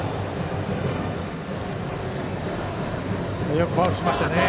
よくファウルしましたね。